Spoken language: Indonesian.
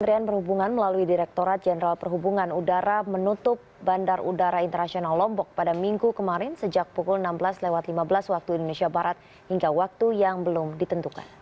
kementerian perhubungan melalui direkturat jenderal perhubungan udara menutup bandar udara internasional lombok pada minggu kemarin sejak pukul enam belas lima belas waktu indonesia barat hingga waktu yang belum ditentukan